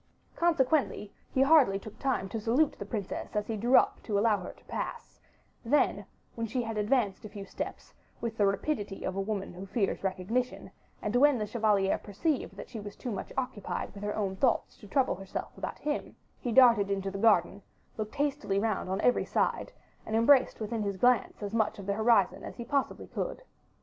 Consequently, he hardly took time to salute the princess as he drew up to allow her to pass; then when she had advanced a few steps, with the rapidity of a woman who fears recognition, and when the chevalier perceived that she was too much occupied with her own thoughts to trouble herself about him, he darted into the garden, looked hastily round on every side, and embraced within his glance as much of the horizon as he possibly could.